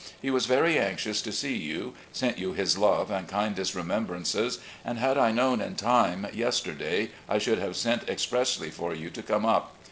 He was very anxious to see you, sent you his love and kindest remembrances, and had I known in time yesterday I should have sent expressly for you to come up.